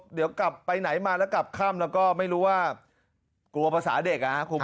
เดี๋ยวกลับไปไหนมาแล้วกลับค่ำแล้วก็ไม่รู้ว่ากลัวภาษาเด็กนะครับ